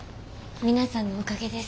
皆さんのおかげです。